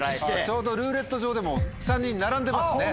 ちょうどルーレット上でも３人並んでますね！